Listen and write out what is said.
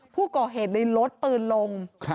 ผู้ก่อเหตุเลยลดปืนลง